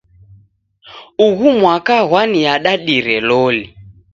Ughu mwaka gwaniadadire loli.